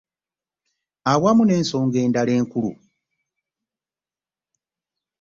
Awamu n'ensonga endala enkulu.